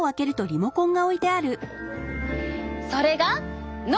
それが脳！